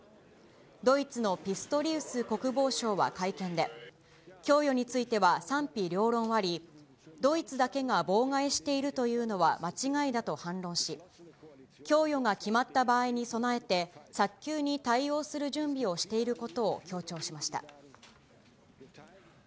ドイツのピストリウス国防相は会見で、供与については賛否両論あり、ドイツだけが妨害しているというのは間違いだと反論し、供与が決まった場合に備えて、早急に対応する準備をしていることを強調しました。